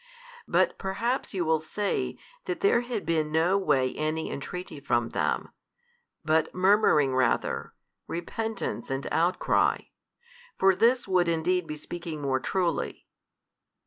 But perhaps you will say that there had been no way any entreaty from them, but murmuring rather, repentance, and outcry: for this would indeed be speaking more truly.